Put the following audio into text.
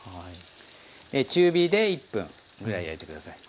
中火で１分ぐらい焼いて下さい。